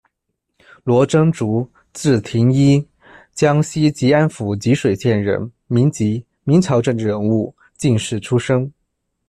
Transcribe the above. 罗征竹，字庭猗，江西吉安府吉水县人，民籍，明朝政治人物、进士出身。